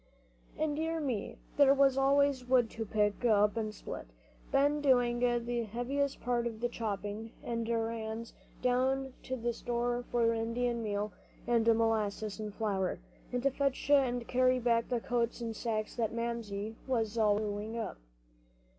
And, dear me, there was always wood to pick up and split, Ben doing the heaviest part of the chopping; and errands down to the store for Indian meal and molasses and flour, and to fetch and carry back the coats and sacks that Mamsie was always sewing up.